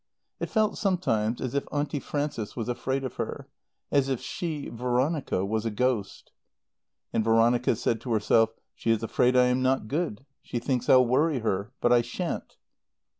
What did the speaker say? It felt sometimes as if Auntie Frances was afraid of her; as if she, Veronica, was a ghost. And Veronica said to herself, "She is afraid I am not good. She thinks I'll worry her. But I shan't."